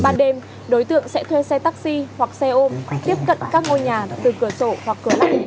ban đêm đối tượng sẽ thuê xe taxi hoặc xe ôm tiếp cận các ngôi nhà từ cửa sổ hoặc cửa